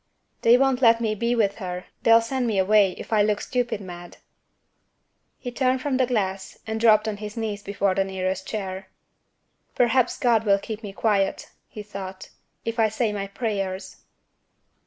"They won't let me be with her; they'll send me away, if I look stupid mad." He turned from the glass, and dropped on his knees before the nearest chair. "Perhaps God will keep me quiet," he thought, "if I say my prayers."